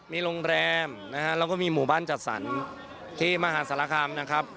มีโรงแรมนะฮะแล้วก็มีหมู่บ้านจัดสรรที่มหาศาลคามนะครับ